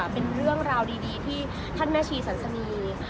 เป็นเรื่องราวดีที่ท่านแม่ชีสันสนี